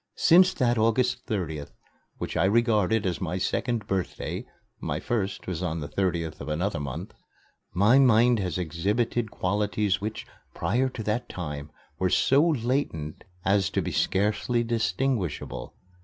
Since that August 30th, which I regard as my second birthday (my first was on the 30th of another month), my mind has exhibited qualities which, prior to that time, were so latent as to be scarcely distinguishable.